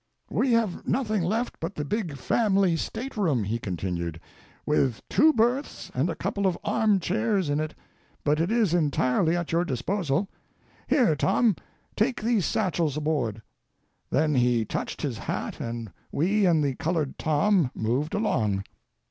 "We have nothing left but the big family state room," he continued, "with two berths and a couple of arm chairs in it, but it is entirely at your disposal. Here, Tom, take these satchels aboard!" Then he touched his hat and we and the colored Tom moved along.